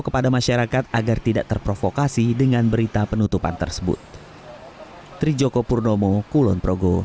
kepada masyarakat agar tidak terprovokasi dengan berita penutupan tersebut trijoko purnomo kulon progo